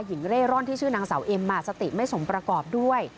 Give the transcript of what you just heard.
เร่ร่อนที่ชื่อนางสาวเอ็มสติไม่สมประกอบด้วย